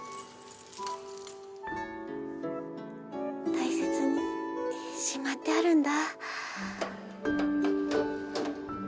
大切にしまってあるんだ。